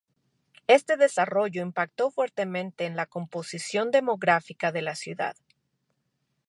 Este desarrollo impactó fuertemente en la composición demográfica de la ciudad.